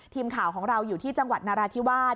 ทีมข่าวของเราอยู่ที่จังหวัดนราธิวาส